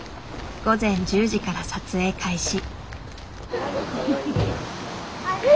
午前１０時から撮影開始。